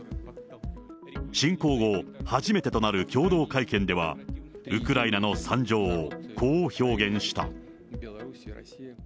侵攻後、初めてとなる共同会見では、ウクライナの惨状を、こう表現した。